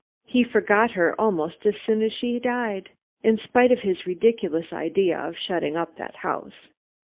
He forgot her almost as soon as she died, in spite of his ridiculous idea of shutting up that house.